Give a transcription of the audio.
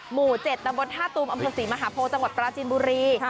หมู่๗ตำบลท่าตูมอำเภอศรีมหาโพจังหวัดปราจินบุรี